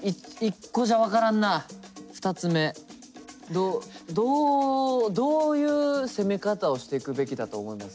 どうどうどういう攻め方をしていくべきだと思います？